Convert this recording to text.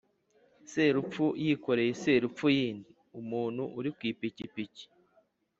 Sarupfu yikoreye Sarupfu yindi-Umuntu uri ku ipikipiki.